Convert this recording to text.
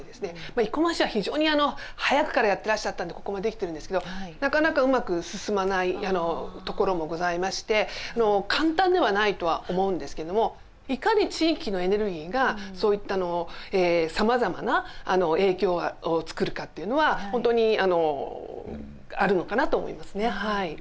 生駒市は非常に早くからやってらっしゃったんでここもできてるんですけどなかなかうまく進まないところもございまして簡単ではないとは思うんですけどもいかに地域のエネルギーがそういったさまざまな影響をつくるかというのは本当にあるのかなと思いますねはい。